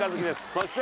そして。